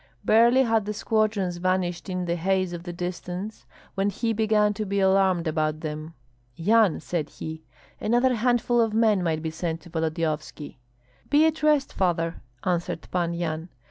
Barely had the squadrons vanished in the haze of the distance, when he began to be alarmed about them. "Yan!" said he, "another handful of men might be sent to Volodyovski." "Be at rest, father," answered Pan Yan.